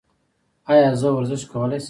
ایا زه ورزش کولی شم؟